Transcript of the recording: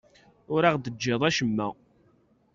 Ur aɣ-d-teǧǧiḍ acemma.